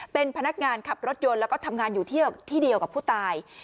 เป็นพนักงานขับรถยนต์แล้วก็ทำงานอยู่ที่เดียวกับผู้ตาย